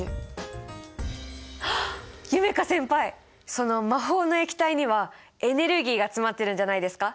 その魔法の液体にはエネルギーが詰まってるんじゃないですか？